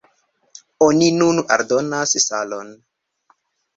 Oni nun aldonas salon.